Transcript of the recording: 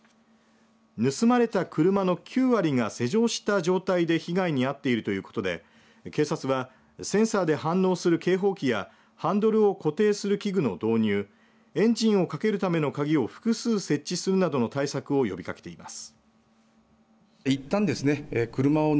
盗まれた車の９割が施錠した状態で被害に遭っているということで警察はセンサーで反応する警報機やハンドルを固定する器具の導入エンジンをかけるための鍵を複数設置するなどの対策を呼びかけています。